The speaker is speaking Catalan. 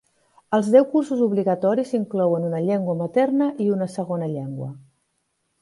Els deu cursos obligatoris inclouen una llengua materna i una segona llengua.